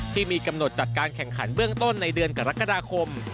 ที่มีกำหนดจัดการแข่งขันเบื้องต้นในเดือนกรกฎาคม